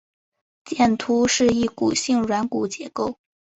剑突是一骨性软骨结构。